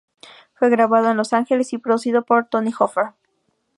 Fue grabado en Los Ángeles y producido por Tony Hoffer.